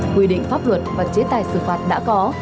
quy định pháp luật và chế tài xử phạt đã có